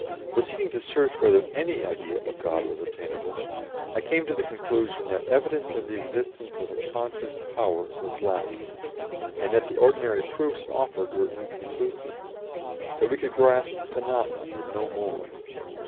" Proceeding to search whether any idea of God was attainable, I came to the conclusion that evidence of the existence of a conscious Power was lacking, and that the ordinary proofs offered were inconclusive; that we could grasp phenomena and no more.